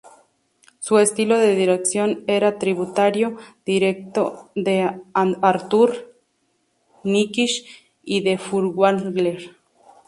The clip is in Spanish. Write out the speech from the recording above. Su estilo de dirección era tributario directo de Arthur Nikisch y de Furtwängler.